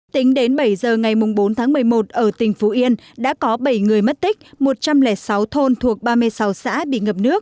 tính đến bảy giờ ngày bốn tháng một mươi một ở tỉnh phú yên đã có bảy người mất tích một trăm linh sáu thôn thuộc ba mươi sáu xã bị ngập nước